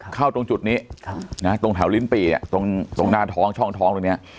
เข้าตรงจุดนี้นะตรงถาวลิ้นปีเนี่ยตรงตรงหน้าท้องช่องท้องตรงเนี่ย